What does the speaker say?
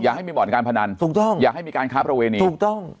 ให้มีบ่อนการพนันถูกต้องอย่าให้มีการค้าประเวณีถูกต้อง